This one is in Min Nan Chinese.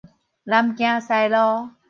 南京西路